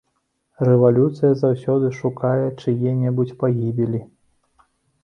Рэвалюцыя заўсёды шукае чые-небудзь пагібелі.